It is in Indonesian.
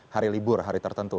hari libur hari tertentu